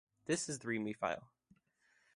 This is the read me file.